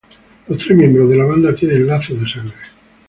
Los tres miembros de la banda tienen lazos de sangre.